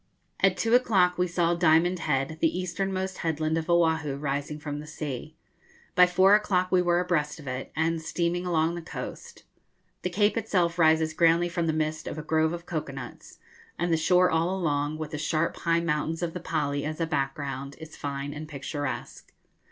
At two o'clock we saw Diamond Head, the easternmost headland of Oahu, rising from the sea. By four o'clock we were abreast of it, and steaming along the coast. The cape itself rises grandly from the midst of a grove of cocoa nuts, and the shore all along, with the sharp high mountains of the Pali as a background, is fine and picturesque.